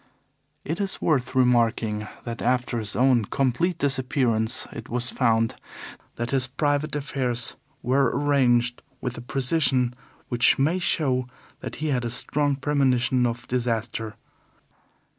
It is worth remarking that after his own complete disappearance it was found that his private affairs were arranged with a precision which may show that he had a strong premonition of disaster.